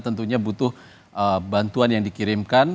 tentunya butuh bantuan yang dikirimkan